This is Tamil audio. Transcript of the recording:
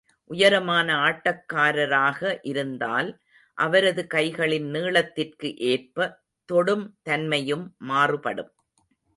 உயரமான ஆட்டக்காரராக இருந்தால், அவரது கைகளின் நீளத்திற்கு ஏற்ப, தொடும் தன்மையும் மாறுபடும்.